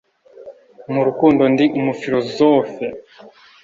mu rukundo ndi umufilozofe